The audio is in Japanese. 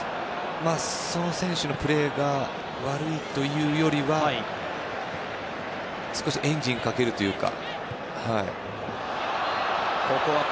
その選手のプレーが悪いというよりは少しエンジンをかけるというか。